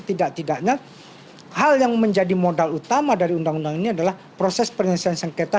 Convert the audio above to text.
tidak tidaknya hal yang menjadi modal utama dari undang undang ini adalah proses penyelesaian sengketa